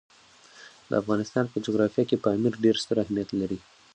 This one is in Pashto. د افغانستان په جغرافیه کې پامیر ډېر ستر اهمیت لري.